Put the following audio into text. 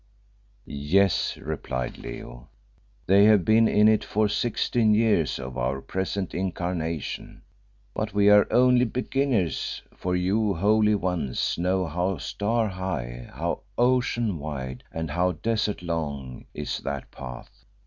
"Yes," replied Leo, "they have been in it for sixteen years of our present incarnation. But we are only beginners, for you, holy Ones, know how star high, how ocean wide and how desert long is that path.